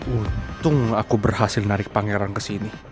untung aku berhasil narik pangeran kesini